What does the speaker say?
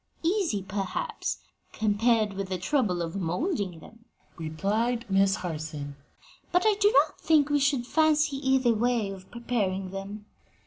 "Easy, perhaps, compared with the trouble of moulding them," replied Miss Harson, "but I do not think we should fancy either way of preparing them."